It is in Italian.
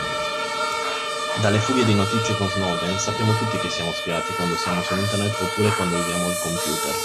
Dalle fughe di notizie con Snowden sappiamo tutti che siamo spiati quando siamo su Internet oppure quando usiamo il computer.